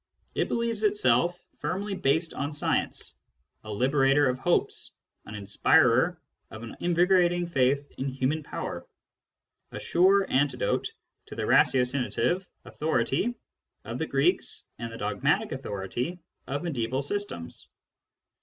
It believes itself firmly based on science, a liberator of hopes, an inspirer of an invigorat ing faith in human power, a sure antidote to the ratio cihative authority of the Greeks and the dogmatic author ity of mediaeval systems.